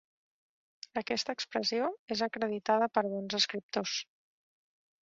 Aquesta expressió és acreditada per bons escriptors.